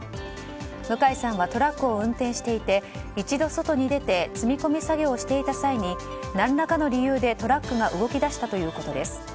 向井さんはトラックを運転していて一度外に出て積み込み作業をしていた際に何らかの理由でトラックが動き出したということです。